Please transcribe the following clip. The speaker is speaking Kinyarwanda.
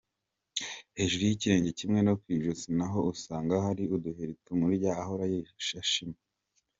Hejuru y’ikirenge kimwe no ku ijosi naho usanga hari uduheri tumurya ahora ashima.